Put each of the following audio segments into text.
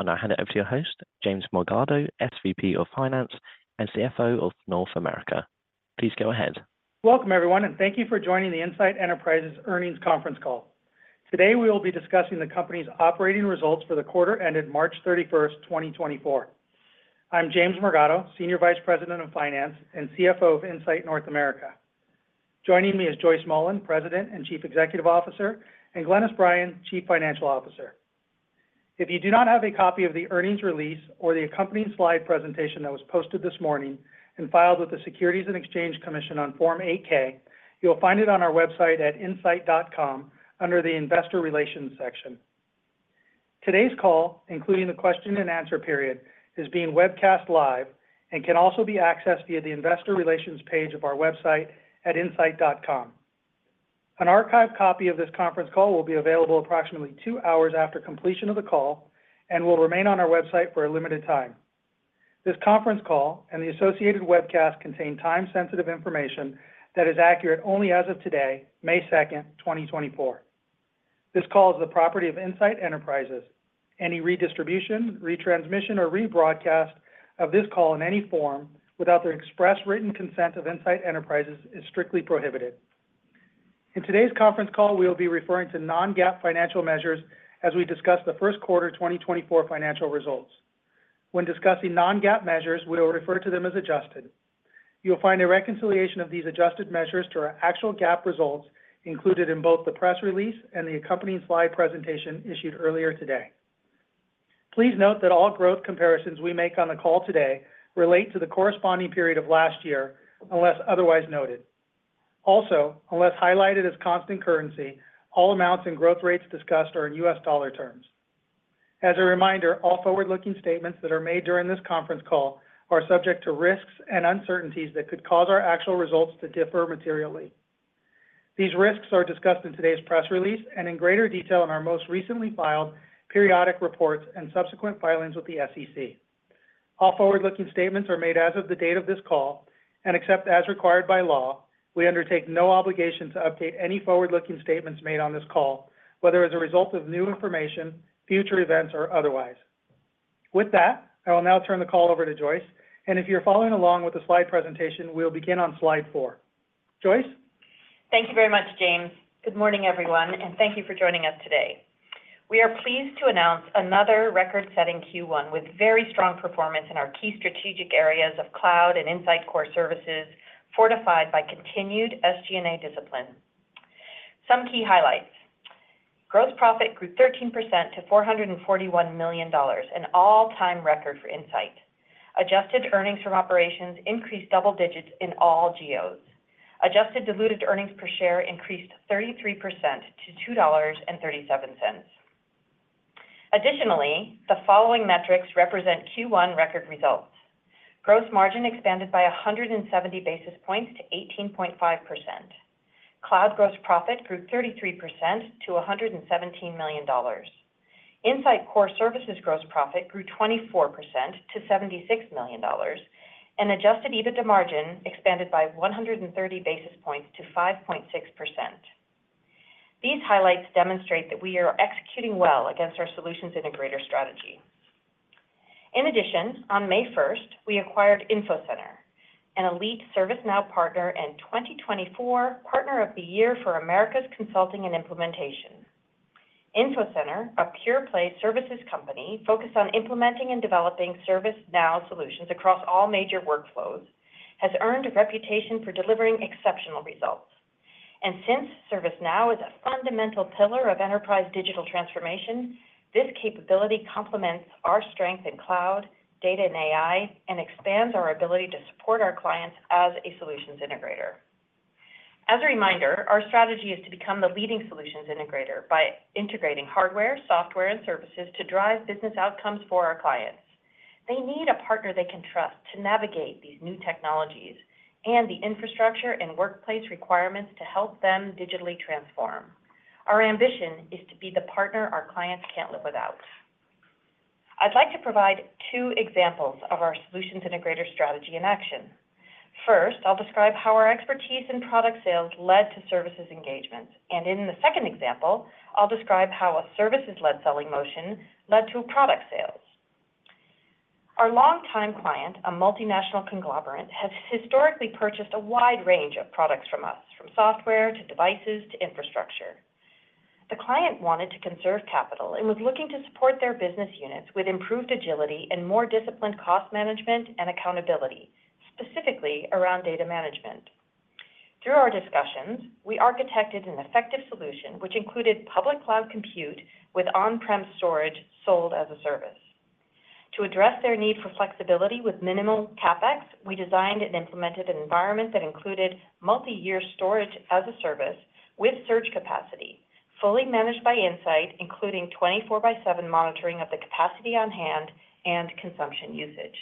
I'll now hand it over to your host, James Morgado, SVP of Finance and CFO of North America. Please go ahead. Welcome, everyone, and thank you for joining the Insight Enterprises Earnings Conference Call. Today, we will be discussing the company's operating results for the quarter ended March 31, 2024. I'm James Morgado, Senior Vice President of Finance and CFO of Insight North America. Joining me is Joyce Mullen, President and Chief Executive Officer, and Glynis Bryan, Chief Financial Officer. If you do not have a copy of the earnings release or the accompanying slide presentation that was posted this morning and filed with the Securities and Exchange Commission on Form 8-K, you'll find it on our website at insight.com under the Investor Relations section. Today's call, including the question and answer period, is being webcast live and can also be accessed via the Investor Relations page of our website at insight.com. An archived copy of this conference call will be available approximately 2 hours after completion of the call and will remain on our website for a limited time. This conference call and the associated webcast contain time-sensitive information that is accurate only as of today, May 2, 2024. This call is the property of Insight Enterprises. Any redistribution, retransmission, or rebroadcast of this call in any form without the express written consent of Insight Enterprises is strictly prohibited. In today's conference call, we will be referring to non-GAAP financial measures as we discuss the first quarter 2024 financial results. When discussing non-GAAP measures, we will refer to them as adjusted. You'll find a reconciliation of these adjusted measures to our actual GAAP results included in both the press release and the accompanying slide presentation issued earlier today. Please note that all growth comparisons we make on the call today relate to the corresponding period of last year, unless otherwise noted. Also, unless highlighted as constant currency, all amounts and growth rates discussed are in U.S. dollar terms. As a reminder, all forward-looking statements that are made during this conference call are subject to risks and uncertainties that could cause our actual results to differ materially. These risks are discussed in today's press release and in greater detail in our most recently filed periodic reports and subsequent filings with the SEC. All forward-looking statements are made as of the date of this call, and except as required by law, we undertake no obligation to update any forward-looking statements made on this call, whether as a result of new information, future events, or otherwise. With that, I will now turn the call over to Joyce, and if you're following along with the slide presentation, we'll begin on slide four. Joyce? Thank you very much, James. Good morning, everyone, and thank you for joining us today. We are pleased to announce another record-setting Q1, with very strong performance in our key strategic areas of cloud and Insight Core Services, fortified by continued SG&A discipline. Some key highlights: Gross profit grew 13% to $441 million, an all-time record for Insight. Adjusted earnings from operations increased double digits in all geos. Adjusted diluted earnings per share increased 33% to $2.37. Additionally, the following metrics represent Q1 record results. Gross margin expanded by 170 basis points to 18.5%. Cloud gross profit grew 33% to $117 million. Insight Core Services gross profit grew 24% to $76 million, and adjusted EBITDA margin expanded by 130 basis points to 5.6%. These highlights demonstrate that we are executing well against our solutions integrator strategy. In addition, on May first, we acquired Infocenter, an elite ServiceNow partner and 2024 Partner of the Year for Americas Consulting and Implementation. Infocenter, a pure-play services company focused on implementing and developing ServiceNow solutions across all major workflows, has earned a reputation for delivering exceptional results. And since ServiceNow is a fundamental pillar of enterprise digital transformation, this capability complements our strength in cloud, data, and AI, and expands our ability to support our clients as a solutions integrator. As a reminder, our strategy is to become the leading solutions integrator by integrating hardware, software, and services to drive business outcomes for our clients. They need a partner they can trust to navigate these new technologies and the infrastructure and workplace requirements to help them digitally transform. Our ambition is to be the partner our clients can't live without. I'd like to provide two examples of our solutions integrator strategy in action. First, I'll describe how our expertise in product sales led to services engagements, and in the second example, I'll describe how a services-led selling motion led to product sales. Our longtime client, a multinational conglomerate, has historically purchased a wide range of products from us, from software, to devices, to infrastructure. The client wanted to conserve capital and was looking to support their business units with improved agility and more disciplined cost management and accountability, specifically around data management. Through our discussions, we architected an effective solution, which included public cloud compute with on-prem storage sold as a service. To address their need for flexibility with minimal CapEx, we designed and implemented an environment that included multi-year storage as a service with surge capacity, fully managed by Insight, including 24/7 monitoring of the capacity on hand and consumption usage.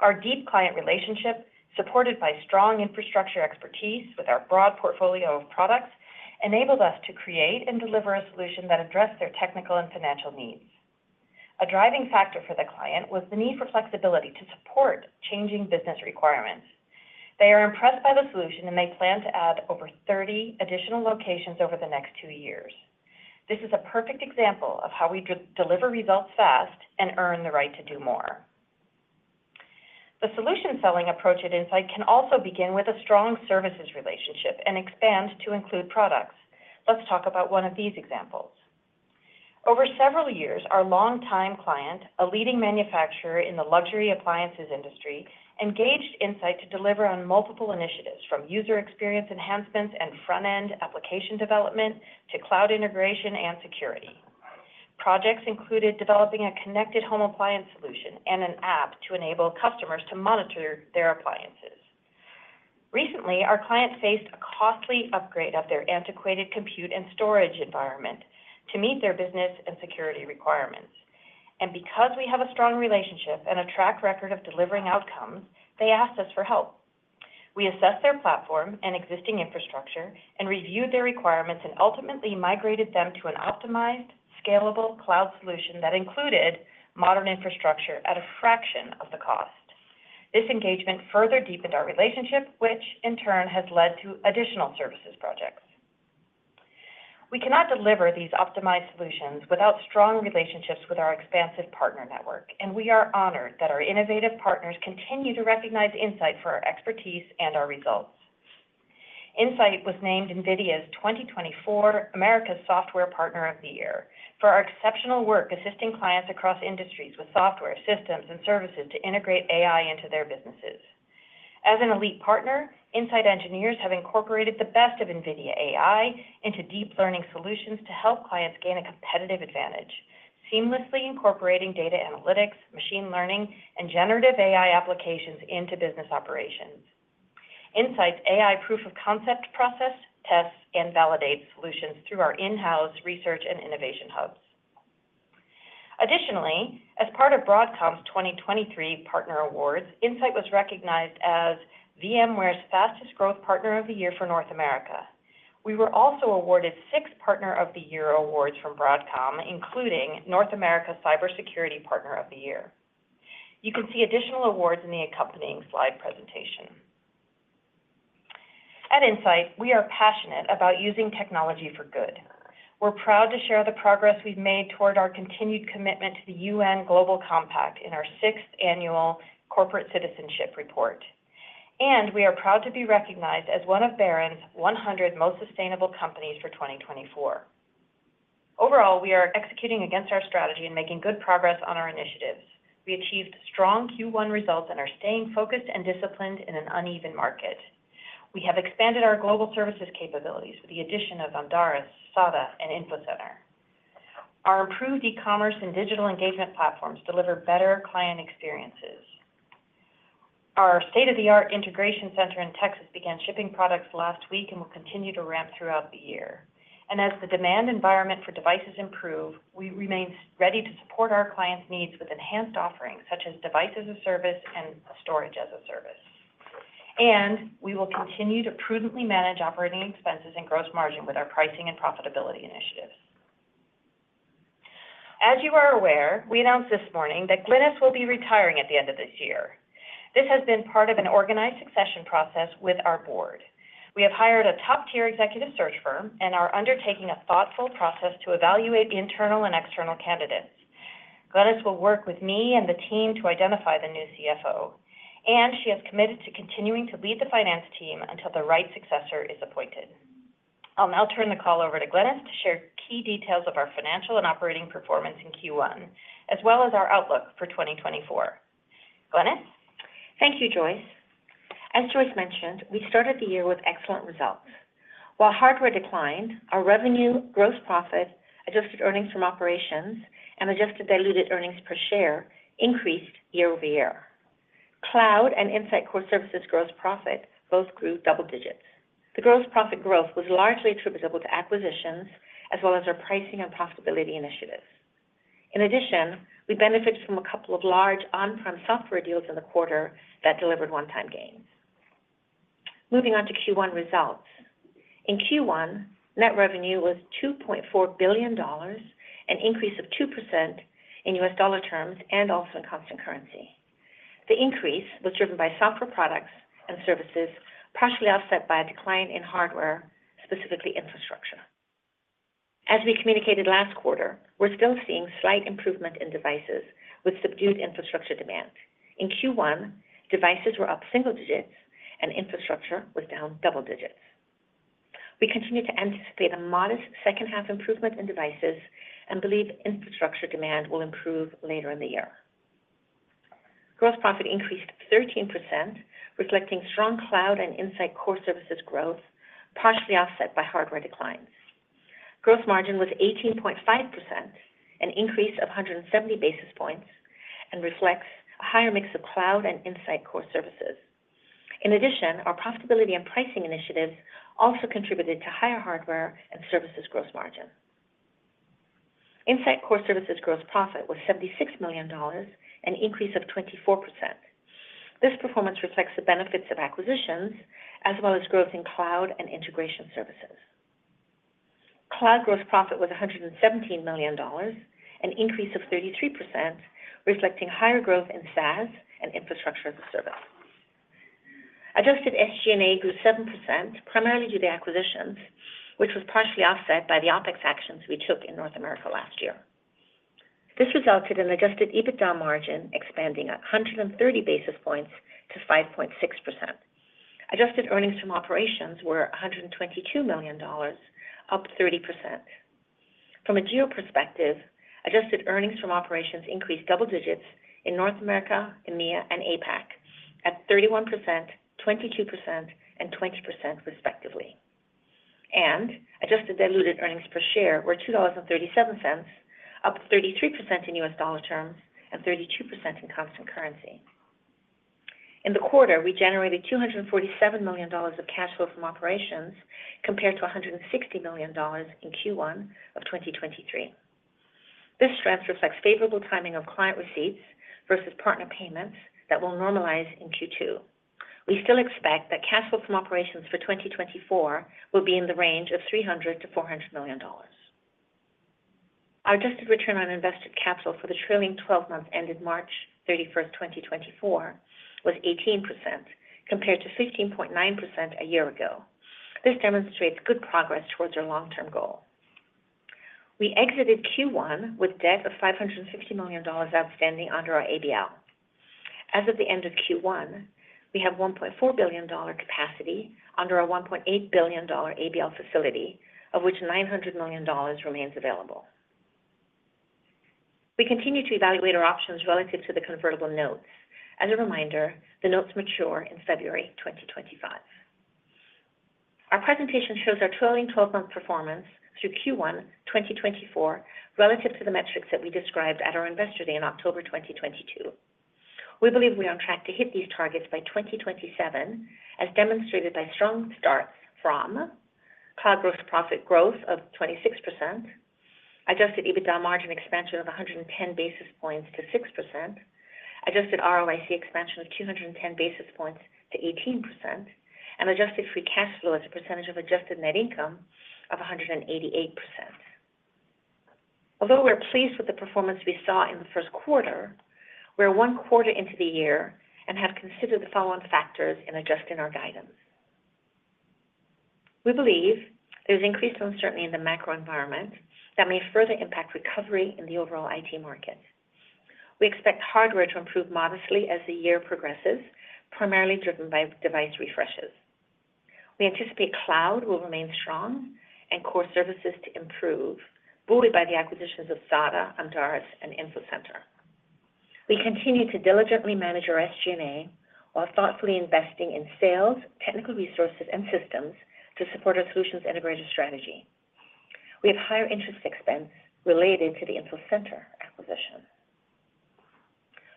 Our deep client relationship, supported by strong infrastructure expertise with our broad portfolio of products, enabled us to create and deliver a solution that addressed their technical and financial needs. A driving factor for the client was the need for flexibility to support changing business requirements.... They are impressed by the solution, and they plan to add over 30 additional locations over the next two years. This is a perfect example of how we deliver results fast and earn the right to do more. The solution selling approach at Insight can also begin with a strong services relationship and expand to include products. Let's talk about one of these examples. Over several years, our longtime client, a leading manufacturer in the luxury appliances industry, engaged Insight to deliver on multiple initiatives, from user experience enhancements and front-end application development to cloud integration and security. Projects included developing a connected home appliance solution and an app to enable customers to monitor their appliances. Recently, our client faced a costly upgrade of their antiquated compute and storage environment to meet their business and security requirements. Because we have a strong relationship and a track record of delivering outcomes, they asked us for help. We assessed their platform and existing infrastructure and reviewed their requirements, and ultimately migrated them to an optimized, scalable cloud solution that included modern infrastructure at a fraction of the cost. This engagement further deepened our relationship, which in turn has led to additional services projects. We cannot deliver these optimized solutions without strong relationships with our expansive partner network, and we are honored that our innovative partners continue to recognize Insight for our expertise and our results. Insight was named NVIDIA's 2024 Americas Software Partner of the Year for our exceptional work assisting clients across industries with software, systems, and services to integrate AI into their businesses. As an elite partner, Insight engineers have incorporated the best of NVIDIA AI into deep learning solutions to help clients gain a competitive advantage, seamlessly incorporating data analytics, machine learning, and generative AI applications into business operations. Insight's AI proof of concept process tests and validates solutions through our in-house research and innovation hubs. Additionally, as part of Broadcom's 2023 Partner Awards, Insight was recognized as VMware's Fastest Growth Partner of the Year for North America. We were also awarded six Partner of the Year awards from Broadcom, including North America Cybersecurity Partner of the Year. You can see additional awards in the accompanying slide presentation. At Insight, we are passionate about using technology for good. We're proud to share the progress we've made toward our continued commitment to the UN Global Compact in our sixth annual Corporate Citizenship Report. We are proud to be recognized as one of Barron's 100 Most Sustainable Companies for 2024. Overall, we are executing against our strategy and making good progress on our initiatives. We achieved strong Q1 results and are staying focused and disciplined in an uneven market. We have expanded our global services capabilities with the addition of Amdaris, SADA, and Infocenter. Our improved e-commerce and digital engagement platforms deliver better client experiences. Our state-of-the-art integration center in Texas began shipping products last week and will continue to ramp throughout the year. As the demand environment for devices improve, we remain ready to support our clients' needs with enhanced offerings such as Device as a Service and Storage as a Service. We will continue to prudently manage operating expenses and gross margin with our pricing and profitability initiatives. As you are aware, we announced this morning that Glynis will be retiring at the end of this year. This has been part of an organized succession process with our board. We have hired a top-tier executive search firm and are undertaking a thoughtful process to evaluate internal and external candidates. Glynis will work with me and the team to identify the new CFO, and she has committed to continuing to lead the finance team until the right successor is appointed. I'll now turn the call over to Glynis to share key details of our financial and operating performance in Q1, as well as our outlook for 2024. Glynis? Thank you, Joyce. As Joyce mentioned, we started the year with excellent results. While hardware declined, our revenue, gross profit, adjusted earnings from operations, and adjusted diluted earnings per share increased year-over-year. Cloud and Insight Core Services gross profit both grew double digits. The gross profit growth was largely attributable to acquisitions, as well as our pricing and profitability initiatives. In addition, we benefited from a couple of large on-prem software deals in the quarter that delivered one-time gains. Moving on to Q1 results. In Q1, net revenue was $2.4 billion, an increase of 2% in U.S. dollar terms and also in constant currency. The increase was driven by software products and services, partially offset by a decline in hardware, specifically infrastructure. As we communicated last quarter, we're still seeing slight improvement in devices with subdued infrastructure demand. In Q1, devices were up single digits and infrastructure was down double digits. We continue to anticipate a modest second-half improvement in devices and believe infrastructure demand will improve later in the year. Gross profit increased 13%, reflecting strong cloud and Insight Core Services growth, partially offset by hardware declines. Gross margin was 18.5%, an increase of 170 basis points, and reflects a higher mix of cloud and Insight Core Services. In addition, our profitability and pricing initiatives also contributed to higher hardware and services gross margin. Insight Core Services gross profit was $76 million, an increase of 24%. This performance reflects the benefits of acquisitions, as well as growth in cloud and integration services.... Cloud gross profit was $117 million, an increase of 33%, reflecting higher growth in SaaS and Infrastructure as a Service. Adjusted SG&A grew 7%, primarily due to acquisitions, which was partially offset by the OpEx actions we took in North America last year. This resulted in adjusted EBITDA margin expanding 130 basis points to 5.6%. Adjusted earnings from operations were $122 million, up 30%. From a geo perspective, adjusted earnings from operations increased double digits in North America, EMEA, and APAC at 31%, 22%, and 20% respectively. Adjusted diluted earnings per share were $2.37, up 33% in US dollar terms and 32% in constant currency. In the quarter, we generated $247 million of cash flow from operations, compared to $160 million in Q1 of 2023. This strength reflects favorable timing of client receipts versus partner payments that will normalize in Q2. We still expect that cash flow from operations for 2024 will be in the range of $300 million-$400 million. Our adjusted return on invested capital for the trailing twelve months ended March 31, 2024, was 18%, compared to 15.9% a year ago. This demonstrates good progress towards our long-term goal. We exited Q1 with debt of $550 million outstanding under our ABL. As of the end of Q1, we have $1.4 billion capacity under our $1.8 billion ABL facility, of which $900 million remains available. We continue to evaluate our options relative to the convertible notes. As a reminder, the notes mature in February 2025. Our presentation shows our trailing twelve-month performance through Q1 2024 relative to the metrics that we described at our Investor Day in October 2022. We believe we are on track to hit these targets by 2027, as demonstrated by strong starts from cloud growth, profit growth of 26%, adjusted EBITDA margin expansion of 110 basis points to 6%, adjusted ROIC expansion of 210 basis points to 18%, and adjusted free cash flow as a percentage of adjusted net income of 188%. Although we're pleased with the performance we saw in the first quarter, we are one quarter into the year and have considered the following factors in adjusting our guidance. We believe there's increased uncertainty in the macro environment that may further impact recovery in the overall IT market. We expect hardware to improve modestly as the year progresses, primarily driven by device refreshes. We anticipate cloud will remain strong and core services to improve, buoyed by the acquisitions of SADA, Amdaris, and Infocenter. We continue to diligently manage our SG&A while thoughtfully investing in sales, technical resources, and systems to support our solutions integrator strategy. We have higher interest expense related to the Infocenter acquisition.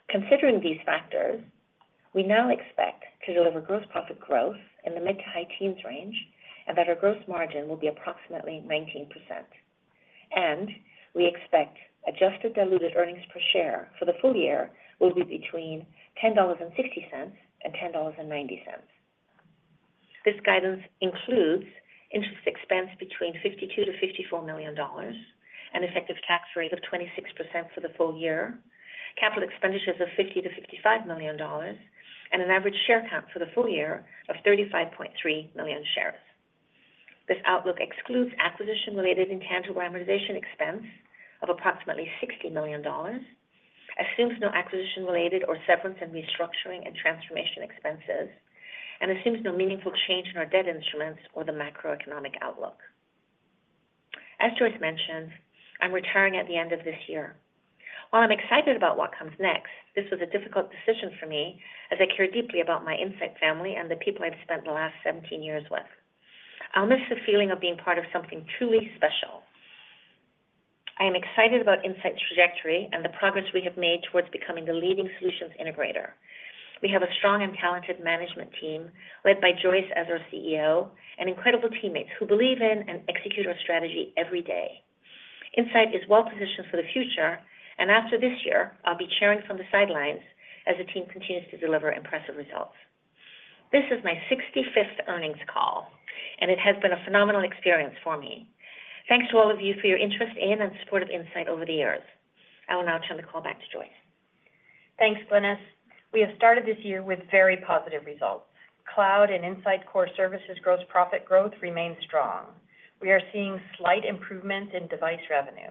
Considering these factors, we now expect to deliver gross profit growth in the mid- to high-teens range and that our gross margin will be approximately 19%, and we expect adjusted diluted earnings per share for the full year will be between $10.60 and $10.90. This guidance includes interest expense between $52 million-$54 million, an effective tax rate of 26% for the full year, capital expenditures of $50 million-$55 million, and an average share count for the full year of 35.3 million shares. This outlook excludes acquisition-related intangible amortization expense of approximately $60 million, assumes no acquisition-related or severance and restructuring and transformation expenses, and assumes no meaningful change in our debt instruments or the macroeconomic outlook. As Joyce mentioned, I'm retiring at the end of this year. While I'm excited about what comes next, this was a difficult decision for me, as I care deeply about my Insight family and the people I've spent the last 17 years with. I'll miss the feeling of being part of something truly special. I am excited about Insight's trajectory and the progress we have made towards becoming the leading solutions integrator. We have a strong and talented management team, led by Joyce as our CEO, and incredible teammates who believe in and execute our strategy every day. Insight is well positioned for the future, and after this year, I'll be cheering from the sidelines as the team continues to deliver impressive results. This is my 65th earnings call, and it has been a phenomenal experience for me. Thanks to all of you for your interest in and support of Insight over the years. I will now turn the call back to Joyce. Thanks, Glynis. We have started this year with very positive results. Cloud and Insight Core Services gross profit growth remains strong. We are seeing slight improvement in device revenue.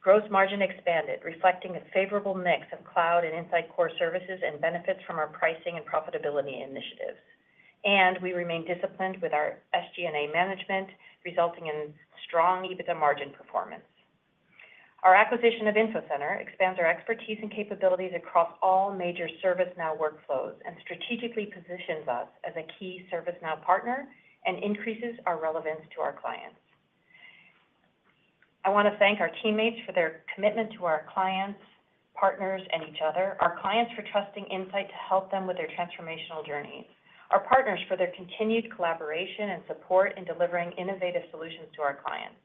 Gross margin expanded, reflecting a favorable mix of cloud and Insight Core Services and benefits from our pricing and profitability initiatives. We remain disciplined with our SG&A management, resulting in strong EBITDA margin performance. Our acquisition of Infocenter expands our expertise and capabilities across all major ServiceNow workflows and strategically positions us as a key ServiceNow partner and increases our relevance to our clients. I want to thank our teammates for their commitment to our clients, partners, and each other, our clients for trusting Insight to help them with their transformational journeys, our partners for their continued collaboration and support in delivering innovative solutions to our clients.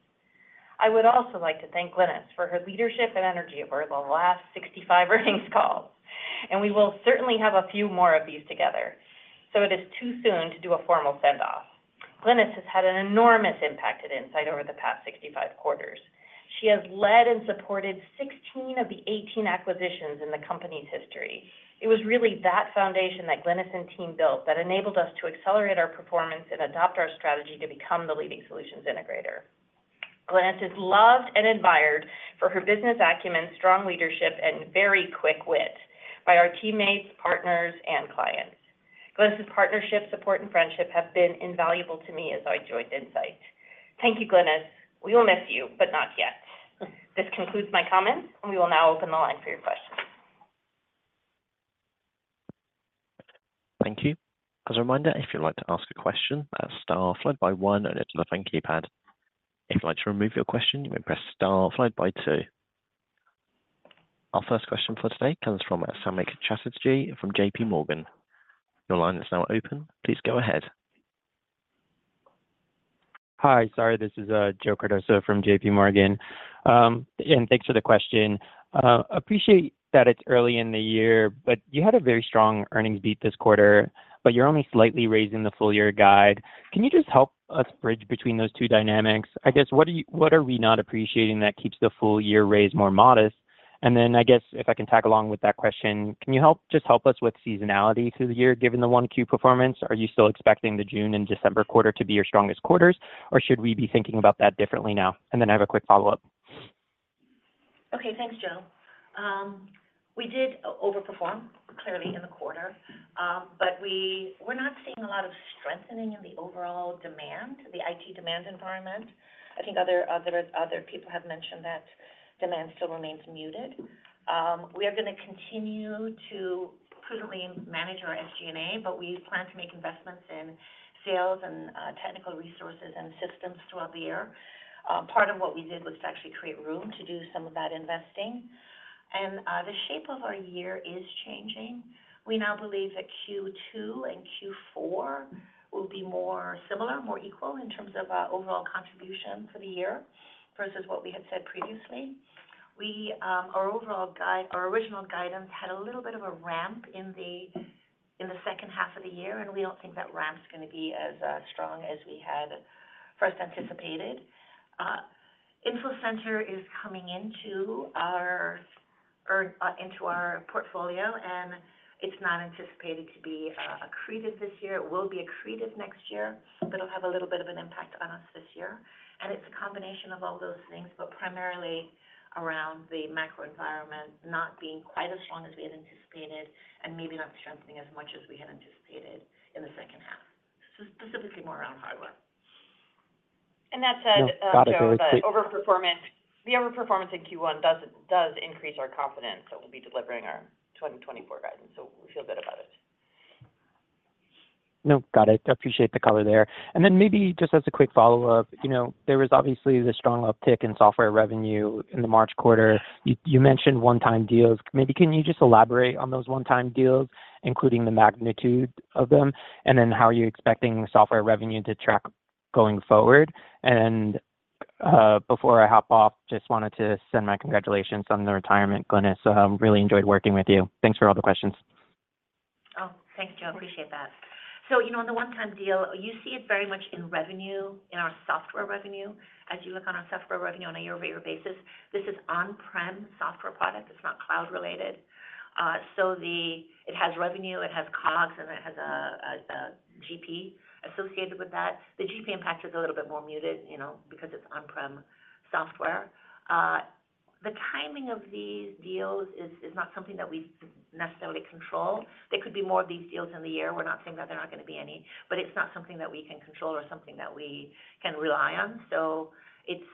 I would also like to thank Glynis for her leadership and energy over the last 65 earnings calls!... and we will certainly have a few more of these together, so it is too soon to do a formal send-off. Glynis has had an enormous impact at Insight over the past 65 quarters. She has led and supported 16 of the 18 acquisitions in the company's history. It was really that foundation that Glynis and team built that enabled us to accelerate our performance and adopt our strategy to become the leading solutions integrator. Glynis is loved and admired for her business acumen, strong leadership, and very quick wit by our teammates, partners, and clients. Glynis' partnership, support, and friendship have been invaluable to me as I joined Insight. Thank you, Glynis. We will miss you, but not yet. This concludes my comments, and we will now open the line for your questions. Thank you. As a reminder, if you'd like to ask a question, press star followed by one on it to the phone keypad. If you'd like to remove your question, you may press star followed by two. Our first question for today comes from Samik Chatterjee from J.P. Morgan. Your line is now open. Please go ahead. Hi, sorry, this is Joe Cardoso from J.P. Morgan. And thanks for the question. Appreciate that it's early in the year, but you had a very strong earnings beat this quarter, but you're only slightly raising the full year guide. Can you just help us bridge between those two dynamics? I guess, what are we not appreciating that keeps the full year raise more modest? And then I guess if I can tag along with that question, can you just help us with seasonality through the year, given the 1Q performance? Are you still expecting the June and December quarter to be your strongest quarters, or should we be thinking about that differently now? And then I have a quick follow-up. Okay, thanks, Joe. We did overperform, clearly, in the quarter, but we're not seeing a lot of strengthening in the overall demand, the IT demand environment. I think other people have mentioned that demand still remains muted. We are gonna continue to prudently manage our SG&A, but we plan to make investments in sales and technical resources and systems throughout the year. Part of what we did was to actually create room to do some of that investing. And the shape of our year is changing. We now believe that Q2 and Q4 will be more similar, more equal in terms of overall contribution for the year versus what we had said previously. We, our overall guidance—our original guidance had a little bit of a ramp in the second half of the year, and we don't think that ramp's gonna be as strong as we had first anticipated. Infocenter is coming into our portfolio, and it's not anticipated to be accretive this year. It will be accretive next year, but it'll have a little bit of an impact on us this year. And it's a combination of all those things, but primarily around the macro environment not being quite as strong as we had anticipated and maybe not strengthening as much as we had anticipated in the second half. This is specifically more around hardware. That said, Joe- Got it- Overperformance, the overperformance in Q1 does increase our confidence that we'll be delivering our 2024 guidance, so we feel good about it. No, got it. I appreciate the color there. And then maybe just as a quick follow-up, you know, there was obviously the strong uptick in software revenue in the March quarter. You mentioned one-time deals. Maybe can you just elaborate on those one-time deals, including the magnitude of them, and then how are you expecting the software revenue to track going forward? And, before I hop off, just wanted to send my congratulations on the retirement, Glynis. So, really enjoyed working with you. Thanks for all the questions. Oh, thanks, Joe. I appreciate that. So, you know, on the one-time deal, you see it very much in revenue, in our software revenue. As you look on our software revenue on a year-over-year basis, this is on-prem software product. It's not cloud-related. So, it has revenue, it has COGS, and it has a GP associated with that. The GP impact is a little bit more muted, you know, because it's on-prem software. The timing of these deals is not something that we necessarily control. There could be more of these deals in the year. We're not saying that there are not gonna be any, but it's not something that we can control or something that we can rely on. So it's,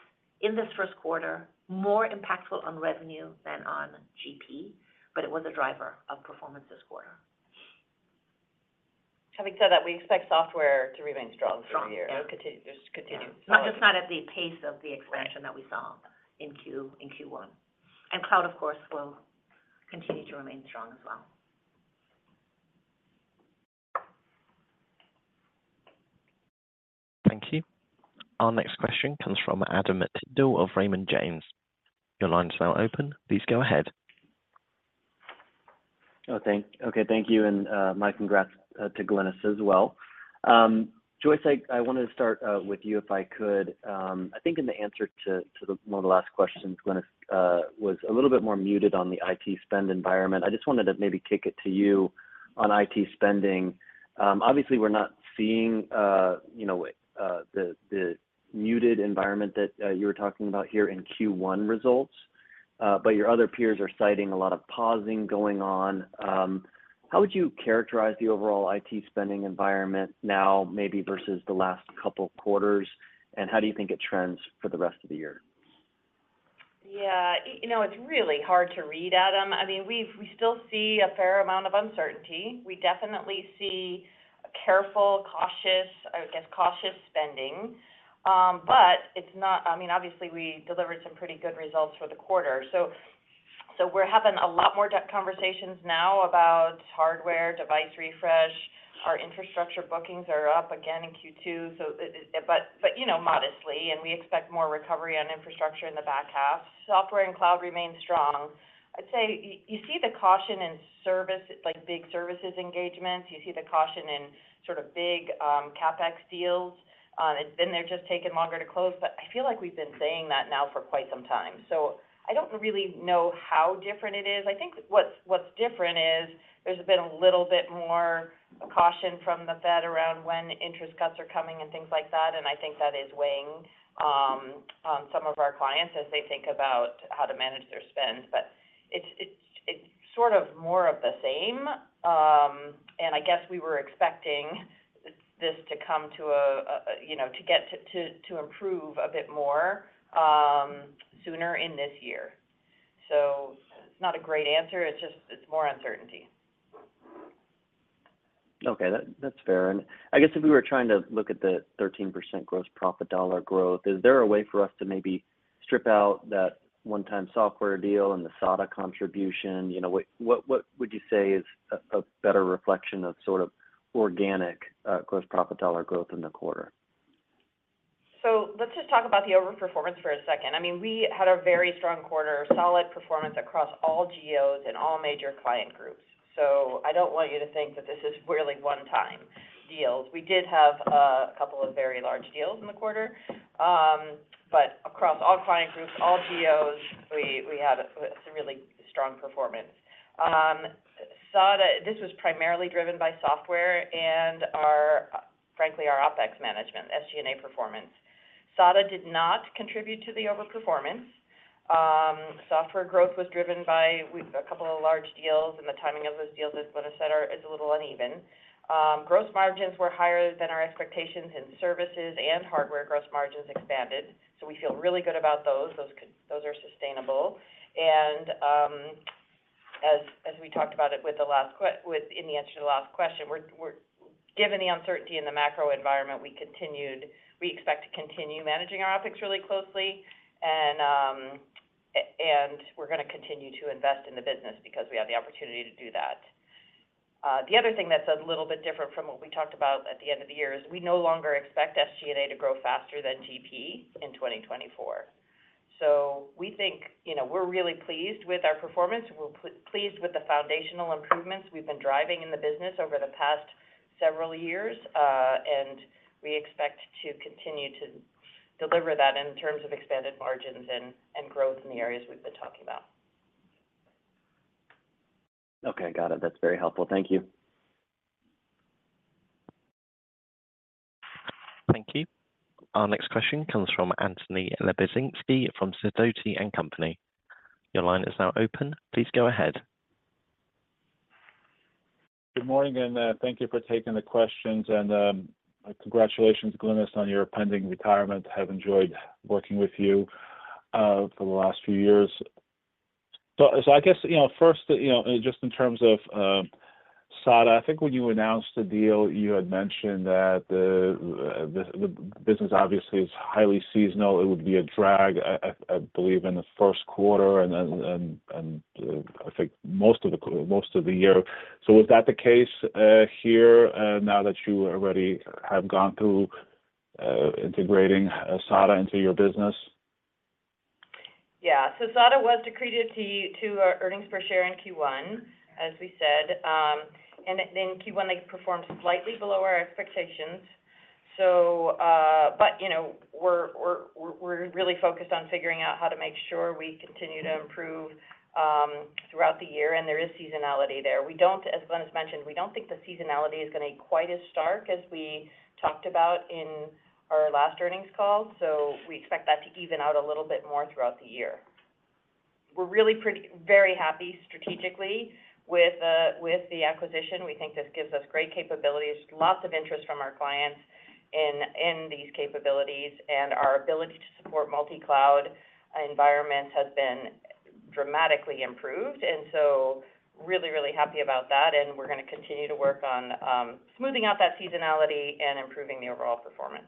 in this first quarter, more impactful on revenue than on GP, but it was a driver of performance this quarter. Having said that, we expect software to remain strong through the year. Strong. Just continue. Not just not at the pace of the expansion that we saw in Q1. Cloud, of course, will continue to remain strong as well. Thank you. Our next question comes from Adam Tindle of Raymond James. Your line is now open. Please go ahead. Oh, thanks. Okay, thank you, and my congrats to Glynis as well. Joyce, I wanted to start with you, if I could. I think in the answer to one of the last questions, Glynis was a little bit more muted on the IT spend environment. I just wanted to maybe kick it to you on IT spending. Obviously, we're not seeing, you know, the muted environment that you were talking about here in Q1 results, but your other peers are citing a lot of pausing going on. How would you characterize the overall IT spending environment now, maybe versus the last couple of quarters, and how do you think it trends for the rest of the year? Yeah, you know, it's really hard to read, Adam. I mean, we still see a fair amount of uncertainty. We definitely see careful, cautious, I guess, cautious spending. But it's not... I mean, obviously, we delivered some pretty good results for the quarter, so we're having a lot more depth conversations now about hardware, device refresh. Our infrastructure bookings are up again in Q2, so it but you know, modestly, and we expect more recovery on infrastructure in the back half. Software and cloud remain strong. I'd say you see the caution in service, like, big services engagements. You see the caution in sort of big CapEx deals. It's been there, just taking longer to close. But I feel like we've been saying that now for quite some time. So I don't really know how different it is. I think what's different is there's been a little bit more caution from the Fed around when interest cuts are coming and things like that, and I think that is weighing on some of our clients as they think about how to manage their spend. But it's sort of more of the same. And I guess we were expecting this to come to a, you know, to get to improve a bit more sooner in this year. So it's not a great answer. It's just more uncertainty. Okay, that's fair. I guess if we were trying to look at the 13% gross profit dollar growth, is there a way for us to maybe strip out that one-time software deal and the SADA contribution? You know, what would you say is a better reflection of sort of organic gross profit dollar growth in the quarter? So let's just talk about the overperformance for a second. I mean, we had a very strong quarter, solid performance across all geos and all major client groups. So I don't want you to think that this is really one-time deals. We did have a couple of very large deals in the quarter. But across all client groups, all geos, we had a really strong performance. SADA, this was primarily driven by software and our, frankly, our OpEx management, SG&A performance. SADA did not contribute to the overperformance. Software growth was driven by a couple of large deals, and the timing of those deals, as Glenn said, is a little uneven. Gross margins were higher than our expectations, and services and hardware gross margins expanded. So we feel really good about those. Those are sustainable. As we talked about it in the answer to the last question, we're given the uncertainty in the macro environment, we expect to continue managing our OpEx really closely. And we're gonna continue to invest in the business because we have the opportunity to do that. The other thing that's a little bit different from what we talked about at the end of the year is we no longer expect SG&A to grow faster than GP in 2024. So we think, you know, we're really pleased with our performance. We're pleased with the foundational improvements we've been driving in the business over the past several years, and we expect to continue to deliver that in terms of expanded margins and growth in the areas we've been talking about. Okay, got it. That's very helpful. Thank you. Thank you. Our next question comes from Anthony Lebiedzinski from Sidoti & Company. Your line is now open. Please go ahead. Good morning, and, thank you for taking the questions. And, congratulations, Glynis, on your pending retirement. I have enjoyed working with you, for the last few years. So, I guess, you know, first, you know, just in terms of, SADA, I think when you announced the deal, you had mentioned that the business obviously is highly seasonal. It would be a drag, I believe, in the first quarter and then, and, I think most of the year. So was that the case, here, now that you already have gone through, integrating SADA into your business? Yeah. So SADA was accretive to our earnings per share in Q1, as we said. And in Q1, they performed slightly below our expectations. So, but, you know, we're really focused on figuring out how to make sure we continue to improve throughout the year, and there is seasonality there. We don't, as Glynis has mentioned, we don't think the seasonality is going to be quite as stark as we talked about in our last earnings call, so we expect that to even out a little bit more throughout the year. We're really pretty, very happy strategically with the acquisition. We think this gives us great capabilities, lots of interest from our clients in these capabilities, and our ability to support multi-cloud environments has been dramatically improved, and so really, really happy about that. We're gonna continue to work on smoothing out that seasonality and improving the overall performance.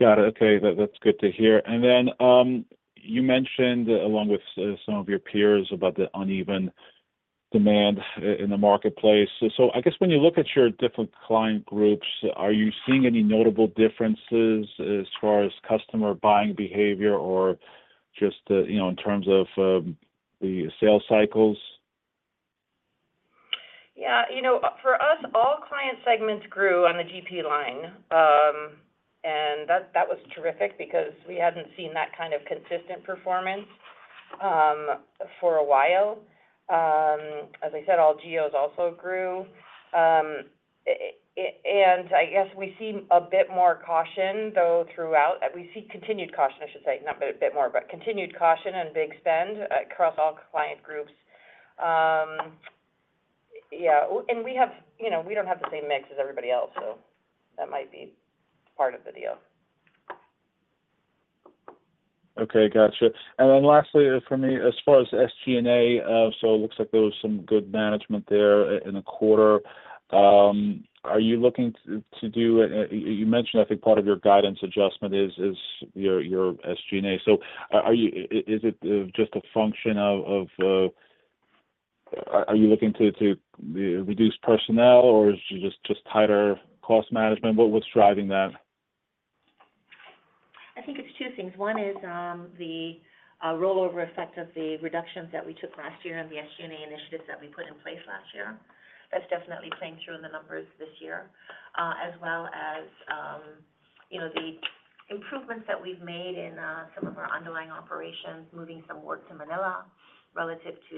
Got it. Okay, that, that's good to hear. And then, you mentioned, along with, some of your peers, about the uneven demand in the marketplace. So I guess when you look at your different client groups, are you seeing any notable differences as far as customer buying behavior or just, you know, in terms of, the sales cycles? Yeah, you know, for us, all client segments grew on the GP line. And that was terrific because we hadn't seen that kind of consistent performance for a while. As I said, all geos also grew. And I guess we see a bit more caution, though, throughout. We see continued caution, I should say, not a bit more, but continued caution on big spend across all client groups. Yeah, and we have, you know, we don't have the same mix as everybody else, so that might be part of the deal. Okay, gotcha. And then lastly, for me, as far as SG&A, so it looks like there was some good management there in the quarter. Are you looking to do... You mentioned, I think part of your guidance adjustment is your SG&A. So are you-- is it just a function of,... Are you looking to reduce personnel or is it just tighter cost management? What's driving that? I think it's two things. One is the rollover effect of the reductions that we took last year and the SG&A initiatives that we put in place last year. That's definitely playing through in the numbers this year. As well as, you know, the improvements that we've made in some of our underlying operations, moving some work to Manila relative to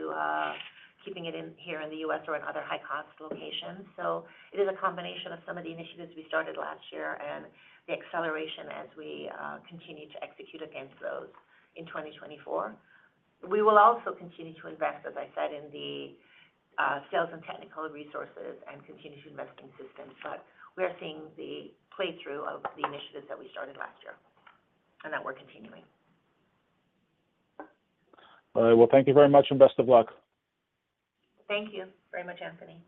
keeping it in here in the U.S. or in other high-cost locations. So it is a combination of some of the initiatives we started last year and the acceleration as we continue to execute against those in 2024. We will also continue to invest, as I said, in the sales and technical resources and continue to invest in systems, but we are seeing the play through of the initiatives that we started last year and that we're continuing. All right. Well, thank you very much, and best of luck. Thank you very much, Anthony.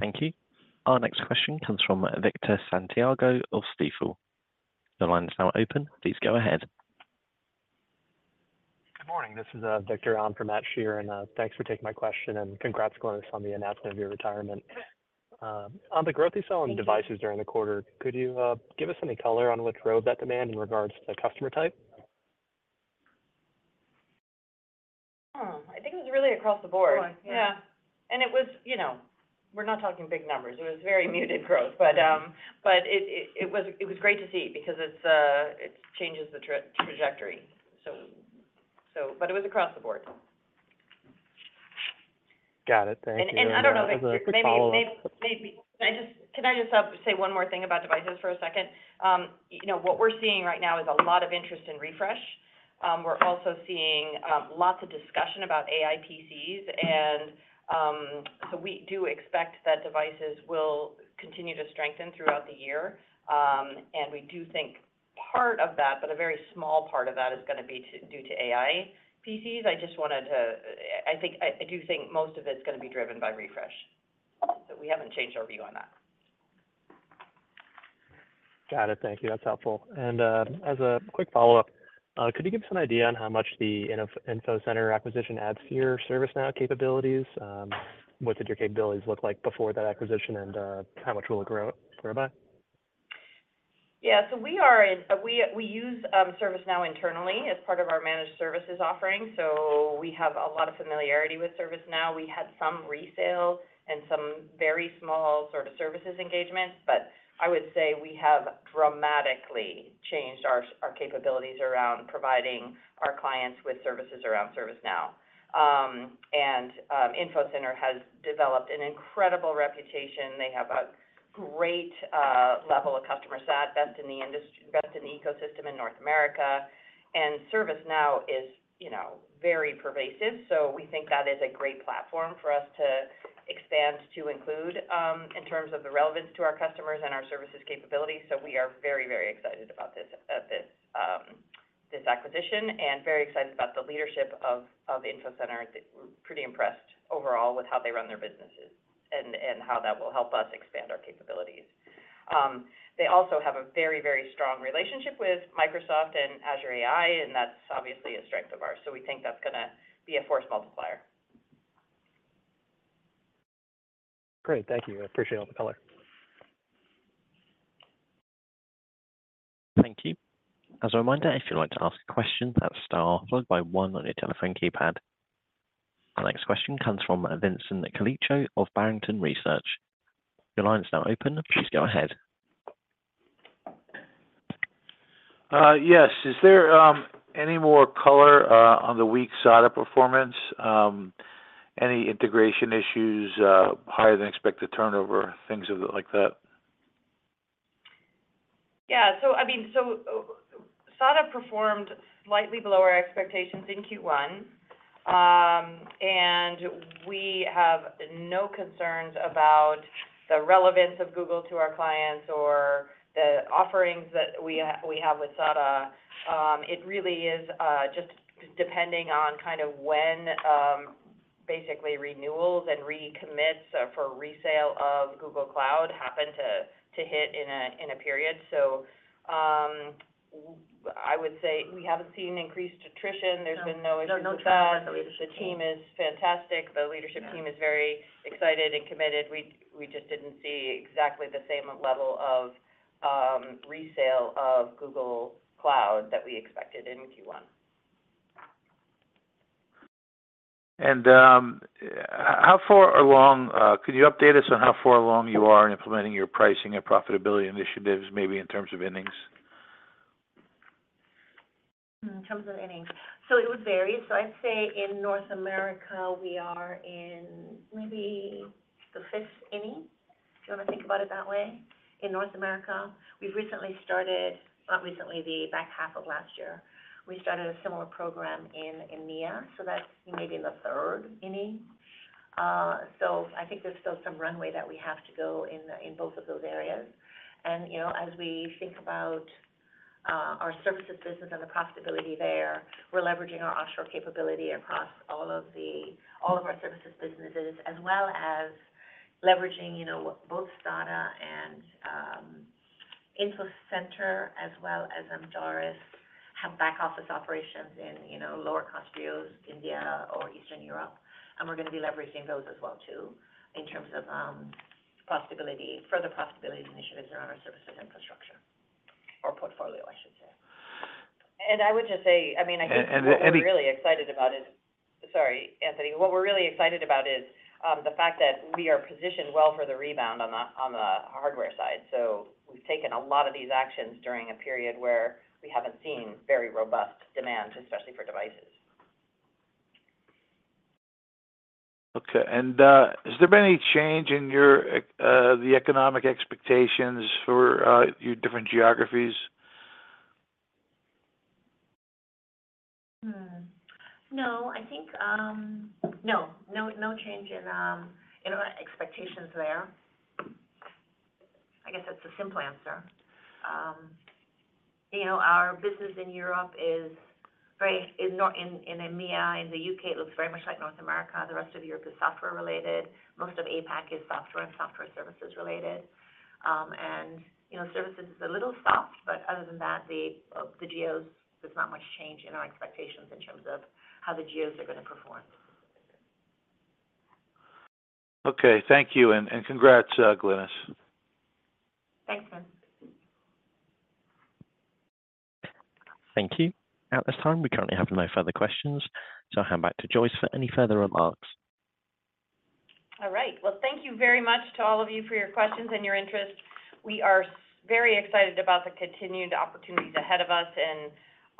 Thank you. Our next question comes from Victor Santiago of Stifel. Your line is now open. Please go ahead. Good morning. This is Victor on from Matt Sheerin, and thanks for taking my question, and congratulations on the announcement of your retirement. On the growth you saw in devices during the quarter, could you give us any color on which drove that demand in regards to customer type? Hmm. I think it was really across the board. Yeah. It was, you know, we're not talking big numbers. It was very muted growth, but it was great to see because it changes the trajectory. But it was across the board. Got it. Thank you. I don't know if maybe- Follow up. Maybe. Can I just say one more thing about devices for a second? You know, what we're seeing right now is a lot of interest in refresh. We're also seeing lots of discussion about AI PCs, and so we do expect that devices will continue to strengthen throughout the year. And we do think part of that, but a very small part of that is gonna be due to AI PCs. I just wanted to, I think, I do think most of it's gonna be driven by refresh, so we haven't changed our view on that. Got it. Thank you. That's helpful. And as a quick follow-up, could you give us an idea on how much the Infocenter acquisition adds to your ServiceNow capabilities? What did your capabilities look like before that acquisition, and how much will it grow by? Yeah. So we are in—We use ServiceNow internally as part of our managed services offering, so we have a lot of familiarity with ServiceNow. We had some resale and some very small sort of services engagements, but I would say we have dramatically changed our capabilities around providing our clients with services around ServiceNow. And Infocenter has developed an incredible reputation. They have a great level of customer sat, best in the industry—best in the ecosystem in North America. And ServiceNow is, you know, very pervasive, so we think that is a great platform for us to expand to include in terms of the relevance to our customers and our services capabilities. So we are very, very excited about this acquisition, and very excited about the leadership of Infocenter. We're pretty impressed overall with how they run their businesses and how that will help us expand our capabilities. They also have a very, very strong relationship with Microsoft and Azure AI, and that's obviously a strength of ours, so we think that's gonna be a force multiplier. Great. Thank you. I appreciate all the color. Thank you. As a reminder, if you'd like to ask a question, that's star followed by one on your telephone keypad. Our next question comes from Vincent Colicchio of Barrington Research. Your line is now open. Please go ahead. Yes. Is there any more color on the weak SADA performance? Any integration issues, higher than expected turnover, things like that? Yeah. So I mean, so SADA performed slightly below our expectations in Q1, and we have no concerns about the relevance of Google to our clients or the offerings that we have with SADA. It really is just depending on kind of when, basically renewals and recommits for resale of Google Cloud happen to hit in a period. So, I would say we haven't seen increased attrition. No. There's been no issue with that. No attrition. The team is fantastic. The leadership team is very excited and committed. We, we just didn't see exactly the same level of resale of Google Cloud that we expected in Q1. How far along could you update us on how far along you are in implementing your pricing and profitability initiatives, maybe in terms of innings? In terms of innings? So it would vary. So I'd say in North America, we are in maybe the fifth inning, if you want to think about it that way, in North America. We've recently started, not recently, the back half of last year, we started a similar program in EMEA, so that's maybe in the third inning. So I think there's still some runway that we have to go in, in both of those areas. And, you know, as we think about, our services business and the profitability there, we're leveraging our offshore capability across all of the- all of our services businesses, as well as leveraging, you know, both SADA and, Google-... Infocenter, as well as Amdaris, have back office operations in, you know, lower cost geos, India or Eastern Europe, and we're gonna be leveraging those as well, too, in terms of profitability, further profitability initiatives around our services infrastructure or portfolio, I should say. I would just say, I mean, I think- And, and, and- What we're really excited about is... Sorry, Anthony. What we're really excited about is, the fact that we are positioned well for the rebound on the, on the hardware side. So we've taken a lot of these actions during a period where we haven't seen very robust demand, especially for devices. Okay. And has there been any change in your economic expectations for your different geographies? No, I think, no. No, no change in our expectations there. I guess that's the simple answer. You know, our business in Europe is very in EMEA, in the UK, it looks very much like North America. The rest of Europe is software related. Most of APAC is software and software services related. And, you know, services is a little soft, but other than that, the geos, there's not much change in our expectations in terms of how the geos are gonna perform. Okay. Thank you, and congrats, Glynis. Thanks, Vincent. Thank you. At this time, we currently have no further questions, so I'll hand back to Joyce for any further remarks. All right. Well, thank you very much to all of you for your questions and your interest. We are very excited about the continued opportunities ahead of us and,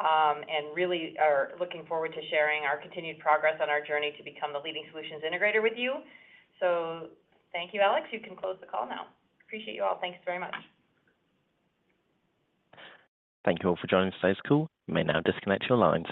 and really are looking forward to sharing our continued progress on our journey to become the leading solutions integrator with you. So thank you, Alex. You can close the call now. Appreciate you all. Thanks very much. Thank you all for joining today's call. You may now disconnect your lines.